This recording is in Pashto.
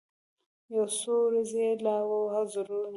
یو څو ورځي یې لا ووهل زورونه